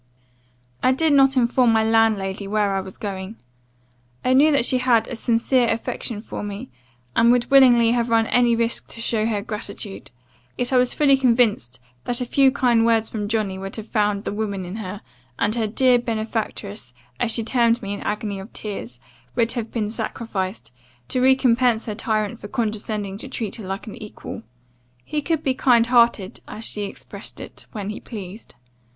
"I did not inform my landlady where I was going. I knew that she had a sincere affection for me, and would willingly have run any risk to show her gratitude; yet I was fully convinced, that a few kind words from Johnny would have found the woman in her, and her dear benefactress, as she termed me in an agony of tears, would have been sacrificed, to recompense her tyrant for condescending to treat her like an equal. He could be kind hearted, as she expressed it, when he pleased.